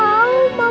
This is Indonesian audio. aku gak mau